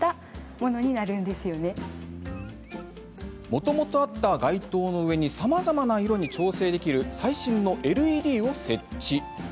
もともとあった街灯の上にさまざまな色に調整できる最新のＬＥＤを設置。